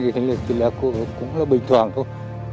thì thì cũng là bình thường thôi